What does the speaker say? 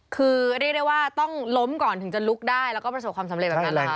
คือเรียกได้ว่าต้องล้มก่อนถึงจะลุกได้แล้วก็ประสบความสำเร็จแบบนั้นเหรอคะ